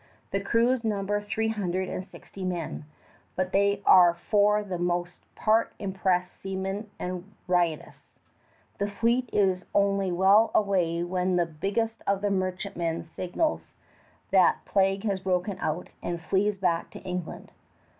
The crews number three hundred and sixty men, but they are for the most part impressed seamen and riotous. The fleet is only well away when the biggest of the merchantmen signals that plague has broken out, and flees back to England.